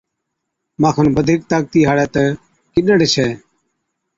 مان کن بڌِيڪ طاقتِي هاڙَي تہ گِڏڙ ڇَي۔